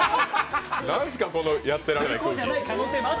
何すか、この、やってられない空気。